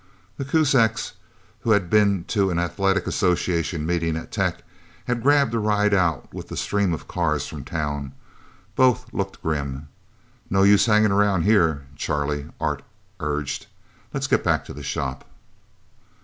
The Kuzaks, who had been to an Athletic Association meeting at Tech, had grabbed a ride out with the stream of cars from town. Both looked grim. "No use hanging around here, Charlie," Art urged. "Let's get back to the shop."